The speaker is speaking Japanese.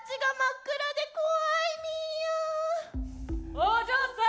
お嬢さん！